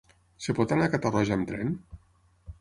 Es pot anar a Catarroja amb tren?